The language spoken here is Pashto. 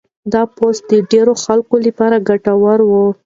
دا پوسټ د ډېرو خلکو لپاره ګټور و.